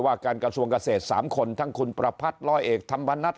ว่าการกระทรวงเกษตร๓คนทั้งคุณประพัทธร้อยเอกธรรมนัฐ